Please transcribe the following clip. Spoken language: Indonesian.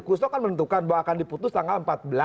kusno kan menentukan bahwa akan diputus tanggal empat belas